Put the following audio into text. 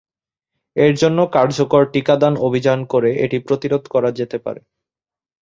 এর জন্য কার্যকর টিকাদান অভিযান করে এটি প্রতিরোধ করা যেতে পারে।